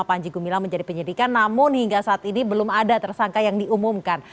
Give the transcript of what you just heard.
panji gumilang menjadi penyidikan namun hingga saat ini belum ada tersangka yang diumumkan